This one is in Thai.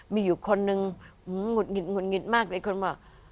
มีอยู่คนนึงหงุดหิดหุดหงิดมากเลยคนบอก